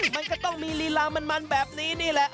มันก็ต้องมีลีลามันแบบนี้นี่แหละ